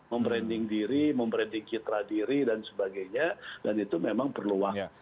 membranding diri membranding kitra diri dan sebagainya